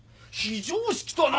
非常識とは。